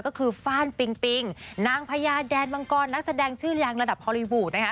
ก็คือฟ่านปิงปิงนางพญาแดนมังกรนักแสดงชื่อดังระดับฮอลลีวูดนะคะ